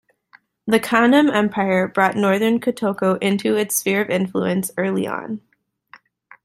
The Kanem Empire brought northern Kotoko into its sphere of influence early on.